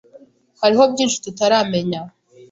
Hariho byinshi tutaramenya.